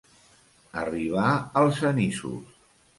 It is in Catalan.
Arribar als anissos.